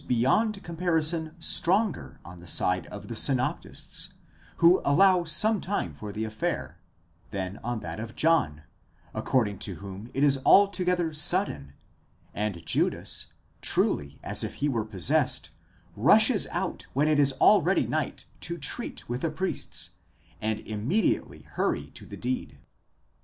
beyond comparison stronger on the side of the synoptists, who allow some time for the affair, than on that of John, according to whom it is altogether sudden, and Judas, truly as if he were possessed, rushes out when it is already night to treat with the priests, and immediately hurry to the deed.